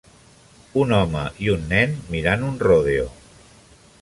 Un home i un nen mirant un rodeo.